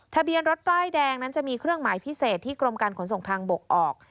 ทะเบียนรถป้ายแดงนั้นจะมีเครื่องหมายพิเศษที่กรมการขนส่งทางบกออก